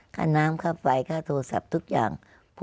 ค่าน้ำค่าไฟค่าโทรศัพท์ทุกอย่าง